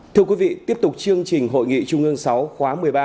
thưa quý vị tiếp tục chương trình hội nghị trung ương sáu khóa một mươi ba